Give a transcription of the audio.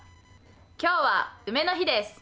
今日は梅の日です。